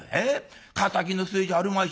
敵の末じゃあるまいし。